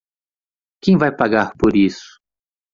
Quem vai pagar por isso?